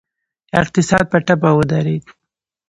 اقتصاد په ټپه ودرید.